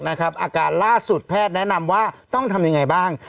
อาการล่าสุดแพทย์แนะนำว่าต้องทำยังไงบ้าง